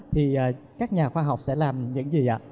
thì các nhà khoa học sẽ làm những gì ạ